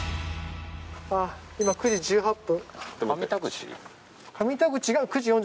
今９時１８分。